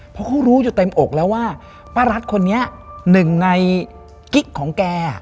เพราะเขารู้อยู่เต็มอกแล้วว่าป้ารัฐคนนี้หนึ่งในกิ๊กของแก